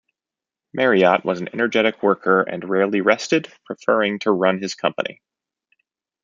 Marriott was an energetic worker and rarely rested, preferring to run his company.